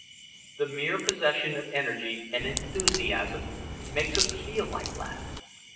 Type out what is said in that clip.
The mere possession of energy and enthusiasm makes us feel like laughing.